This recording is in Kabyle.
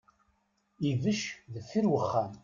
Ibec deffir uxxam.